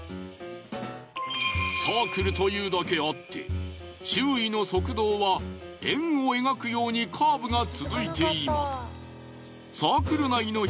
サークルというだけあって周囲の側道は円を描くようにカーブが続いています。